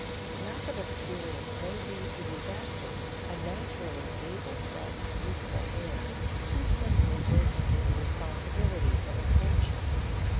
Lack of experience may lead to disaster a naturally able but youthful heir, too suddenly burdened with the responsibilities of a fortune.